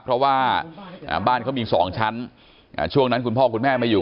เพราะว่าบ้านเขามี๒ชั้นช่วงนั้นคุณพ่อคุณแม่ไม่อยู่